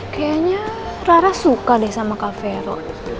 kayaknya rara suka deh sama kak vero